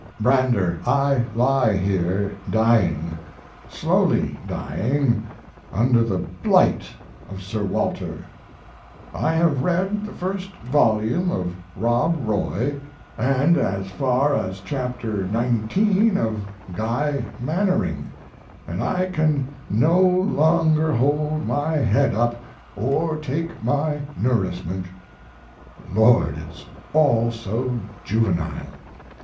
Brander, I lie here dying; slowly dying, under the blight of Sir Walter. I have read the first volume of Rob Roy, & as far as Chapter XIX of Guy Mannering, & I can no longer hold my head up or take my nourishment. Lord, it's all so juvenile!